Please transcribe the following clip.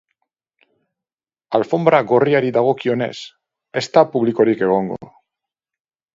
Alfonbra gorriari dagokionez, ez da publikorik egongo.